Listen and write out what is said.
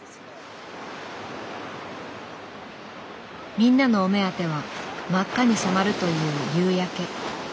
みんなのお目当ては真っ赤に染まるという夕焼け。